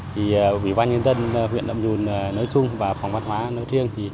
thì ủy ban nhân dân huyện nậm nhùn nói chung và phòng văn hóa nói riêng